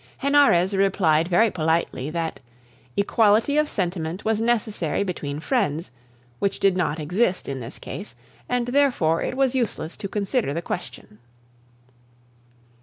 Henarez replied very politely that equality of sentiment was necessary between friends, which did not exist in this case, and therefore it was useless to consider the question.